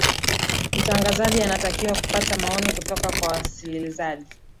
mtangazaji anatakiwa kupata maoni kutoka kwa wasililizaji